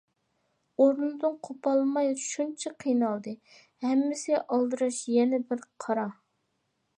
ئورنىدىن قوپالماي شۇنچە قىينالدى، ھەممىسى ئالدىراش ئەنە بىر قارا.